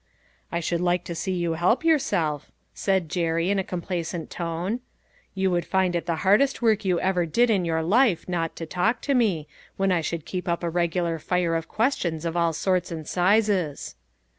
" I should like to see you help yourself," said Jerry, in a complacent tone. " You would find it the hardest work you ever did in your life not to talk to me, when I should keep up a regular fire of questions of all sorts and sizes."